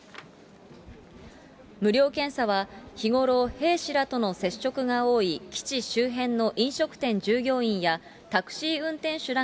無料検査は日頃、兵士らとの接触が多い基地周辺の飲食店従業員やタクシー運転手ら